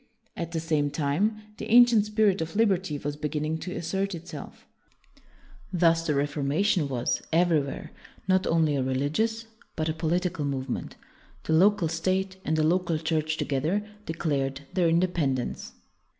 At the same time, the ancient spirit of liberty was beginning to assert itself. Thus the Reformation was, everywhere, not only a religious but a political move ment. The local state and the local Church together declared their independ ence.